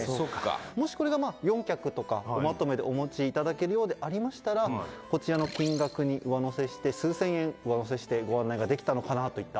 もし、これが４脚とかおまとめでお持ちいただけるようでありましたらこちらの金額に上乗せして数千円上乗せしてご案内ができたのかなといった。